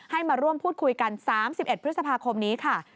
มาร่วมพูดคุยกัน๓๑พฤษภาคมนี้ค่ะ